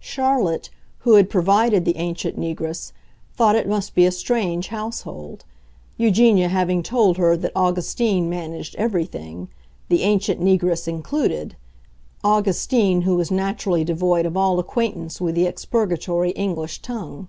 Charlotte, who had provided the ancient negress, thought it must be a strange household, Eugenia having told her that Augustine managed everything, the ancient negress included—Augustine who was naturally devoid of all acquaintance with the expurgatory English tongue.